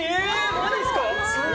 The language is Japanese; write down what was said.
マジっすか。